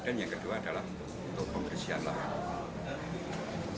dan yang keempat temuan yang belum ditemukan